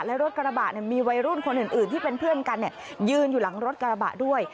และรถกระบะมีวัยรุ่นคนอื่นที่เป็นเพื่อนกันยืนอยู่หลังรถกระบะด้วย